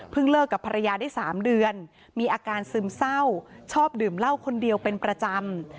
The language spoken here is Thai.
เลิกกับภรรยาได้๓เดือนมีอาการซึมเศร้าชอบดื่มเหล้าคนเดียวเป็นประจำ